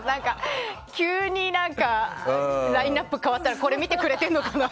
急に何かラインアップ変わったら見てくれてるのかな？